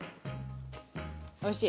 おいしい？